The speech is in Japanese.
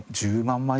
１０万枚。